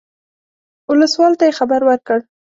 اوسلوال ته یې خبر ورکړ.